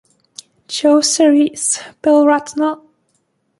Joe series, Bill Ratner.